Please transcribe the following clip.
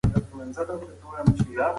ماشوم د زېري لپاره په منډه راغی.